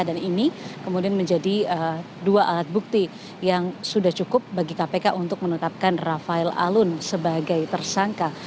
dan ini kemudian menjadi dua alat bukti yang sudah cukup bagi kpk untuk menetapkan rafael alun sebagai tersangka